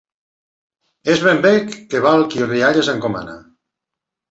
És ben bé que val qui rialles encomana...